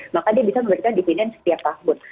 maka dia bisa memberikan dividen setiap tahun